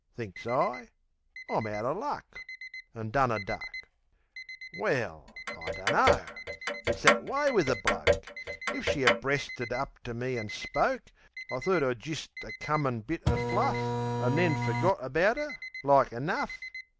Thinks I, "I'm out er luck," An' done a duck Well, I dunno. It's that way wiv a bloke. If she'd ha' breasted up ter me an' spoke, I'd thort 'er jist a commin bit er fluff, An' then fergot about 'er, like enough.